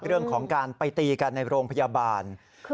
เรื่องของการไปตีกันในโรงพยาบาล